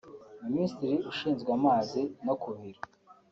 Minisitiri ushinzwe amazi no kuhira